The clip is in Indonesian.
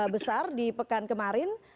besar di pekan kemarin